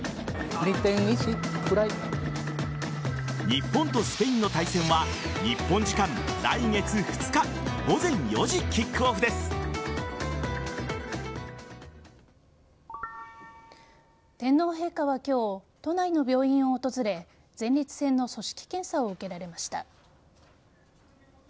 日本とスペインの対戦は日本時間来月２日天皇陛下は今日都内の病院を訪れ前立腺の組織検査を受けられました。